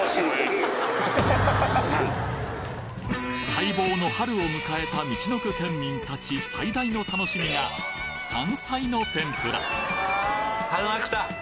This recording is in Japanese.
待望の春を迎えたみちのく県民達最大の楽しみが山菜の天ぷら